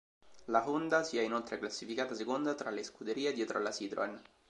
La Honda si è inoltre classificata seconda tra le scuderie dietro alla Citroën.